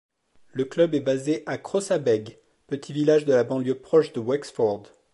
Le club est basé à Crossabeg, petit village de la banlieue proche de Wexford.